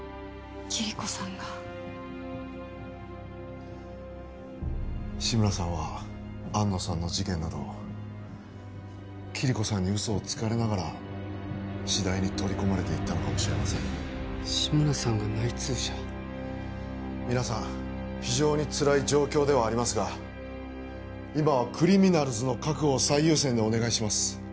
キリコさんが志村さんは安野さんの事件などキリコさんにウソをつかれながら次第にとりこまれていったのかもしれません志村さんが内通者皆さん非常につらい状況ではありますが今はクリミナルズの確保を最優先でお願いします